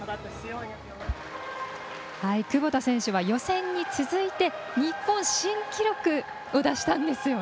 窪田選手は予選に続いて日本新記録を出したんですよね。